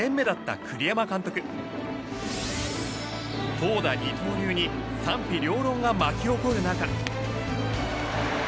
投打二刀流に賛否両論が巻き起こる中。